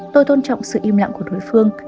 tôi tôn trọng sự im lặng của đối phương